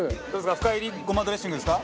深煎りごまドレッシングですか？